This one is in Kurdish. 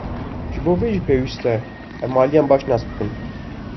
Ji bo vê jî pêwîst e em aliyan baş nas bikin.